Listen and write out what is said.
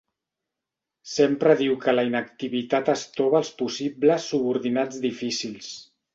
Sempre diu que la inactivitat estova els possibles subordinats difícils.